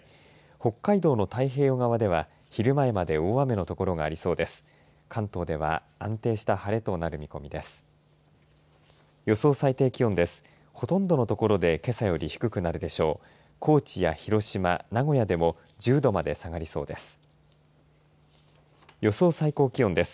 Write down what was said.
北海道の太平洋側では昼前まで大雨の所がありそうです。